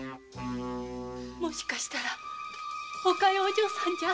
もしかしたらお加代お嬢さんでは？